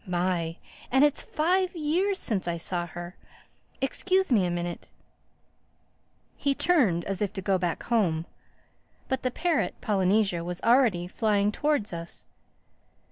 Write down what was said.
My! And it's five years since I saw her—Excuse me a minute." He turned as if to go back home. But the parrot, Polynesia, was already flying towards us.